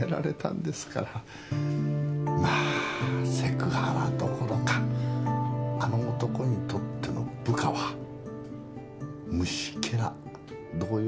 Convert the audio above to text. まあセクハラどころかあの男にとっての部下は虫けら同様ですな。